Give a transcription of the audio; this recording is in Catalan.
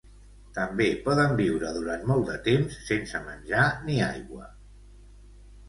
També poden viure durant molt de temps sense menjar ni aigua.